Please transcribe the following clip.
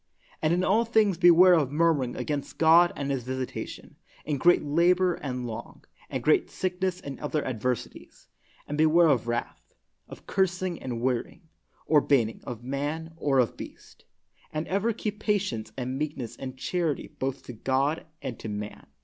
And in all things beware of murmuring against God and His visitation, in great labor and long, and great sickness and other adversities, and be ware of wrath, of cursing and warying, or ban ning, of man or of beast. And ever keep patience and meekness and charity both to God and to man.